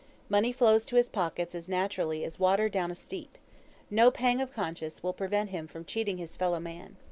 Money flows to his pockets as naturally as water down a steep. No pang of conscience will prevent him from cheating his fellow man.